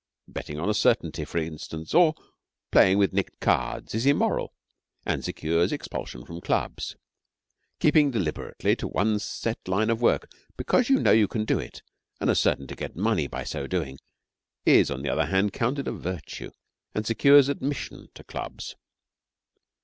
Betting on a certainty, for instance, or playing with nicked cards is immoral, and secures expulsion from clubs. Keeping deliberately to one set line of work because you know you can do it and are certain to get money by so doing is, on the other hand, counted a virtue, and secures admission to clubs.